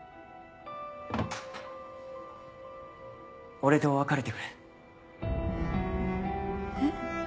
俺と別れてくれえっ？